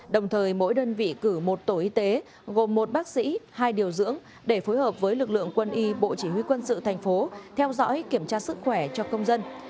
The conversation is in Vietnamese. đồng thời mỗi đơn vị cử một tổ y tế gồm một bác sĩ hai điều dưỡng để phối hợp với lực lượng quân y bộ chỉ huy quân sự thành phố theo dõi kiểm tra sức khỏe cho công dân